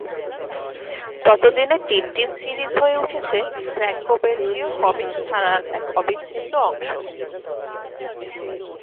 ততদিনে Tintin series হয়ে উঠেছে ফ্র্যাঙ্কো-বেলজীয় কমিক্স ধারার এক অবিচ্ছেদ্য অংশ।